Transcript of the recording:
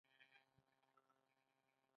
د بیان ازادي مهمه ده ځکه چې د تبعیض مخه نیسي.